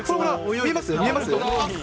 見えます？